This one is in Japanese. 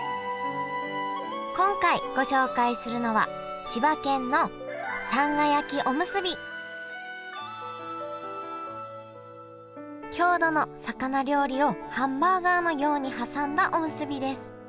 今回ご紹介するのは郷土の魚料理をハンバーガーのように挟んだおむすびです。